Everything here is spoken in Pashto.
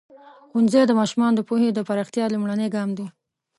ښوونځی د ماشومانو د پوهې د پراختیا لومړنی ګام دی.